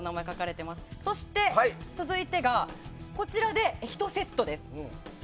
そして、続いてがこちらで１セットです。